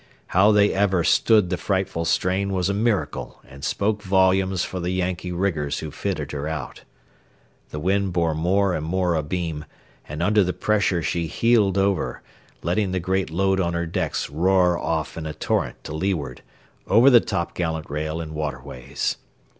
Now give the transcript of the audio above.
How they ever stood the frightful strain was a miracle and spoke volumes for the Yankee riggers who fitted her out. The wind bore more and more abeam, and under the pressure she heeled over, letting the great load on her decks roar off in a torrent to leeward, over the topgallant rail and waterways.